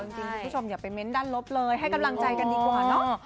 จริงคุณผู้ชมอย่าไปเน้นด้านลบเลยให้กำลังใจกันดีกว่าเนอะ